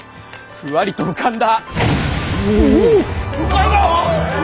ふわりと浮かんだ。